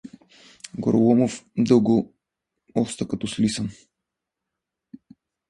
Гороломов дълго оста като слисан.